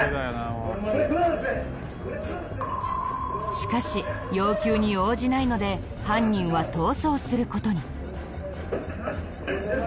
しかし要求に応じないので犯人は逃走する事に。